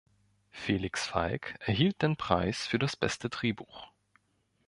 Feliks Falk erhielt den Preis für das beste Drehbuch.